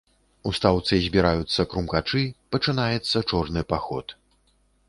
У стаўцы збіраюцца крумкачы, пачынаецца чорны паход.